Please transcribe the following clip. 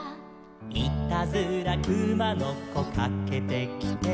「いたずらくまのこかけてきて」